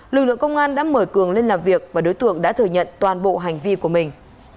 lực lượng công an đã mở cường lên làm việc và đối tượng đã thừa nhận toàn bộ hành vi của mình